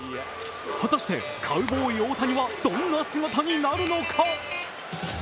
果たしてカウボーイ・大谷はどんな姿になるのか。